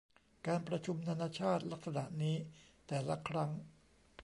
การประชุมนานาชาติลักษณะนี้แต่ละครั้ง